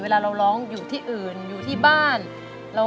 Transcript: วันนี้ล่ะ